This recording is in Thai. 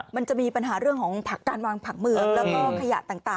มันจะมีปัญหาเรื่องของผักการวางผักเมืองแล้วก็ขยะต่าง